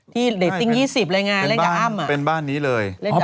ที่เลตติ้ง๒๐อะไรไงเล่นจากอ้ำ